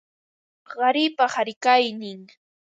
Qaripa qarikaynin